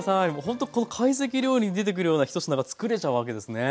ほんとこの懐石料理に出てくるようなひと品が作れちゃうわけですね。